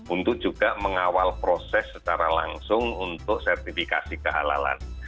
untuk juga mengawal proses secara langsung untuk sertifikasi kehalalan